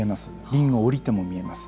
リングを下りても見えます。